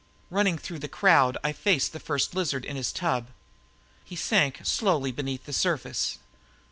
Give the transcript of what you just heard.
Running through the crowd, I faced up to the First Lizard in his tub. He sank slowly beneath the surface.